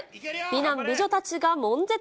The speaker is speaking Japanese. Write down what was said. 美男美女たちがもん絶。